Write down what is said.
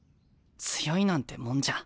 強いなんてもんじゃ。